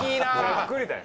ざっくりだよ。